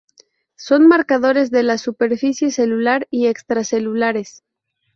Son marcadores de la superficie celular y extracelulares.